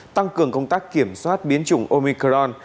tăng cường công tác kiểm soát biến chủng omicron